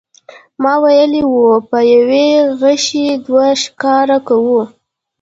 ما ویلي و په یوه غیشي دوه ښکاره کوو.